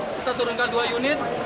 kita turunkan dua unit